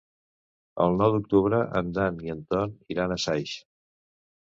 El nou d'octubre en Dan i en Ton iran a Saix.